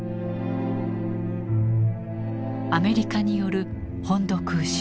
アメリカによる本土空襲。